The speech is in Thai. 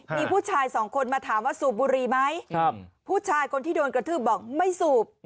มีผู้ชายสองคนมาถามว่าสูบบุรีไหมผู้ชายคนที่โดนกระทืบบอกไม่สูบ